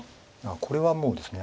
これはもうですね